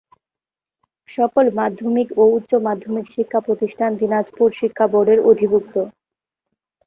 সকল মাধ্যমিক ও উচ্চ মাধ্যমিক শিক্ষা প্রতিষ্ঠান দিনাজপুর শিক্ষা বোর্ডের অধিভুক্ত।